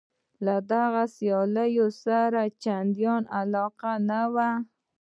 له دغو سیالیو سره یې چندانې علاقه نه وه.